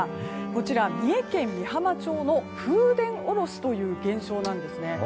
こちら、三重県御浜町の風伝おろしという現象なんですね。